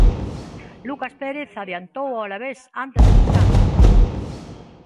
Lucas Pérez adiantou o Alavés antes do descanso.